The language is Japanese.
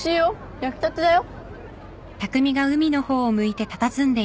焼きたてだよ。